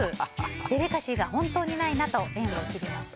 デリカシーが本当にないなと縁を切りました。